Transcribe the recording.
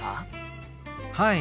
はい。